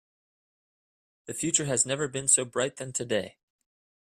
The future has never been so bright than today.